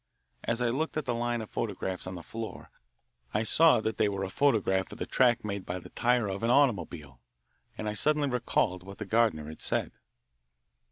As I looked at the line of photographs on the floor I saw that they were a photograph of the track made by the tire of an automobile, and I suddenly recalled what the gardener had said.